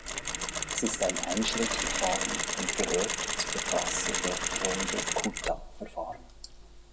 Es ist ein Einschrittverfahren und gehört zu der Klasse der Runge-Kutta-Verfahren.